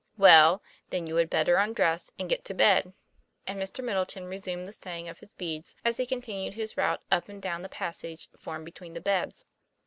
'Well, then, you had better undress, and get to bed." And Mr. Middleton resumed the saying of his beads, as he continued his route up and down the passage formed between the beds.